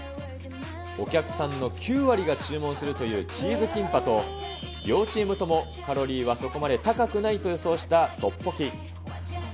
お客さんの９割が注文するというチーズキンパと、両チームともカロリーはそこまで高くないと予想したトッポッキ。